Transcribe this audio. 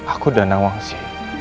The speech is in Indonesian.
aku dan nawaksi